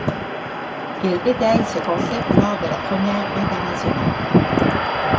Il étaye ce concept lors de la première Internationale.